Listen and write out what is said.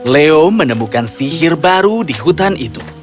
leo menemukan sihir baru di hutan itu